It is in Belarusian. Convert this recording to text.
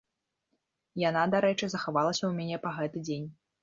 Яна, дарэчы, захавалася ў мяне па гэты дзень.